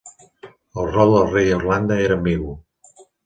El rol del Rei a Irlanda era ambigu.